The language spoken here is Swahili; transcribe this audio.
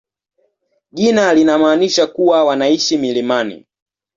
Jina linamaanisha kuwa wanaishi milimani.